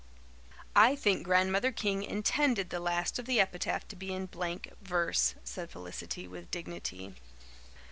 "I think Grandmother King intended the last of the epitaph to be in blank verse," said Felicity with dignity.